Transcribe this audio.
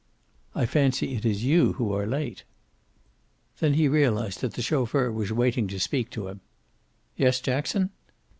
"I fancy it is you who are late." Then he realized that the chauffeur was waiting to speak to him. "Yes, Jackson?"